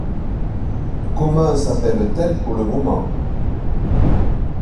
Comment s'appelle-t-elle pour le moment ?